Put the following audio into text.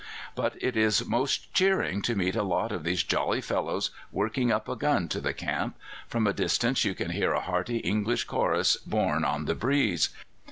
But it is most cheering to meet a lot of these jolly fellows working up a gun to the camp: from a distance you can hear a hearty English chorus borne on the breeze.